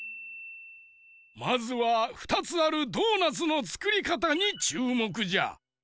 まずは２つあるドーナツのつくりかたにちゅうもくじゃ。